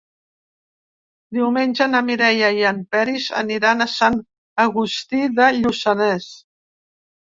Diumenge na Mireia i en Peris aniran a Sant Agustí de Lluçanès.